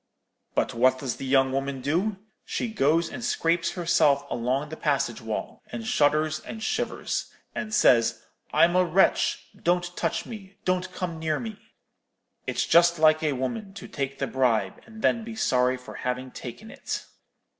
But what does the young woman do? She goes and scrapes herself along the passage wall, and shudders and shivers, and says, 'I'm a wretch; don't touch me—don't come near me.' It's just like a woman, to take the bribe, and then be sorry for having taken it.'